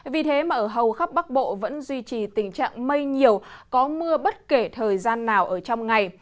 vì thế mà ở hầu khắp bắc bộ vẫn duy trì tình trạng mây nhiều có mưa bất kể thời gian nào ở trong ngày